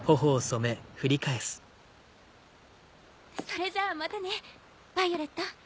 ・それじゃあまたねヴァイオレット。